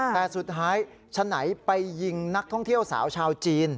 แต่สุดท้ายฉะไหนไปยิงนักท่องเที่ยวสาวชาวจีน